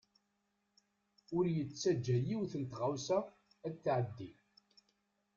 Ur yettaǧa yiwet n tɣawsa ad t-tɛeddi.